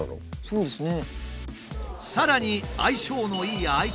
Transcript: そうですね。